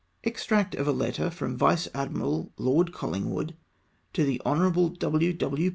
Extract of a letter from Vice Admiral Lord Collingwood to the Hon. W. W.